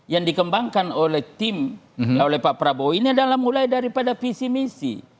yang dikembangkan oleh tim oleh pak prabowo ini adalah mulai daripada visi misi